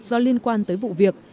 do liên quan tới vụ việc